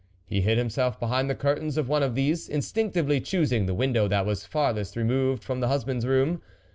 He hid himself behind the curtains of one of these, instinctively choosing the window that was farthest removed from the hus band's room.